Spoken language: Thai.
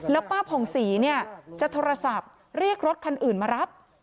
แล้วป้าผ่องศรีเนี่ยจะโทรศัพท์เรียกรถคันอื่นมารับ